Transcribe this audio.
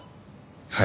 はい。